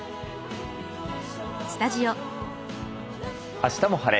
「あしたも晴れ！